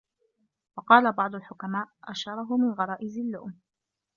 وَقَالَ بَعْضُ الْحُكَمَاءِ الشَّرَهُ مِنْ غَرَائِزِ اللُّؤْمِ